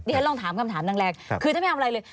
เดี๋ยวให้ลองถามคำถามดังแรกคือถ้าไม่เอาอะไรเลย